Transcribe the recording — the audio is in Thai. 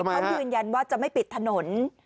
เขายืนยันว่าจะไม่ปิดถนน